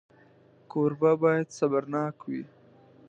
کوربه باید صبرناک وي.